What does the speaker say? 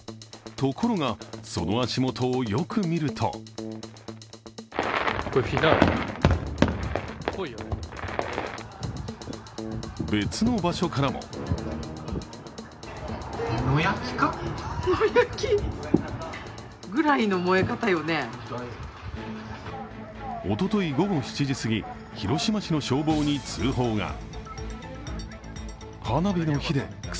ところがその足元をよく見ると別の場所からもおととい午後７時すぎ、広島市の消防に通報が。